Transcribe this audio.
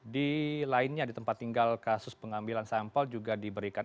di lainnya di tempat tinggal kasus pengambilan sampel juga diberikan